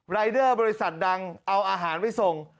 รายเดอร์บริษัทดังเอาอาหารไปส่ง